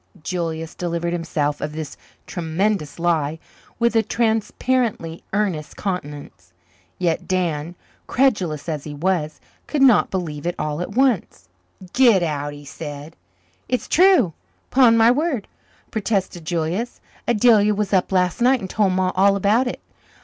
Julius delivered himself of this tremendous lie with a transparently earnest countenance. Yet Dan, credulous as he was, could not believe it all at once. "Git out," he said. "It's true, 'pon my word," protested Julius. "Adelia was up last night and told Ma all about it.